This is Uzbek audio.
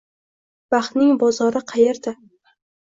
Baxtning bozori qayerda?